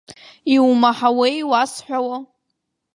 Иумаҳауеи иуасҳәауа.